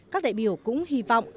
các đại biểu cũng hy vọng